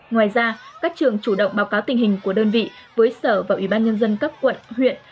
ngoài ra các trường chủ động báo cáo tình hình của đơn vị với sở và ủy ban nhân dân cấp quận huyện